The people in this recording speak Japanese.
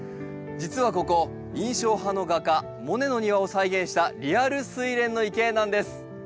実はここ印象派の画家モネの庭を再現したリアルスイレンの池なんです。